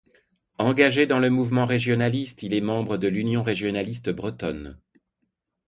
Engagé dans le mouvement régionaliste, il est membre de l’Union régionaliste bretonne.